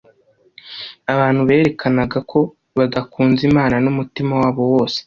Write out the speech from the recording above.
abantu berekanaga ko badakunze Imana n'umutima wabo wose,